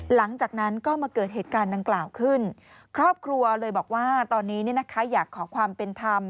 หลังจากนั้นก็มาเกิดเหตุการณ์ดังกล่าวขึ้นครอบครัวเลยบอกว่าตอนนี้อยากขอความเป็นธรรม